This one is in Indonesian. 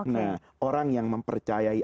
nah orang yang mempercayai